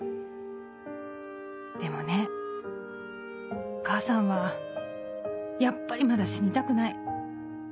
「でもね母さんはやっぱりまだ死にたくない」。